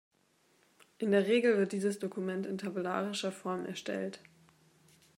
In der Regel wird dieses Dokument in tabellarischer Form erstellt.